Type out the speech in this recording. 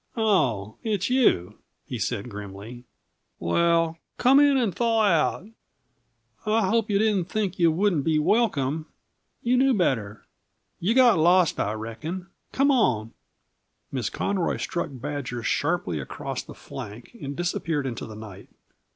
"Oh, it's you!" he said grimly. "Well, come in and thaw out; I hope yuh didn't think yuh wouldn't be welcome yuh knew better. You got lost, I reckon. Come on " Miss Conroy struck Badger sharply across the flank and disappeared into the night.